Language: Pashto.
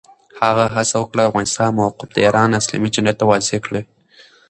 هغه هڅه وکړه، د افغانستان موقف د ایران اسلامي جمهوریت ته واضح کړي.